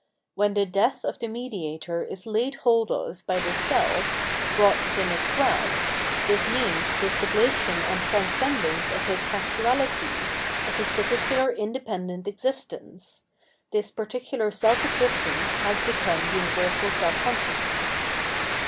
When the death of the mediator is laid hold of by the self, brought * Christ. 795 Revealed Religion within its grasp, this means the sublation and trans cendence of his factuahty, of his particular independent existence ; this particular self existence has become universal self consciousness.